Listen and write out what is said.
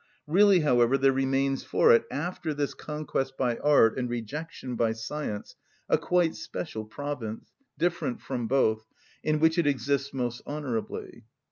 Really, however, there remains for it, after this conquest by art and rejection by science, a quite special province, different from both, in which it exists most honourably.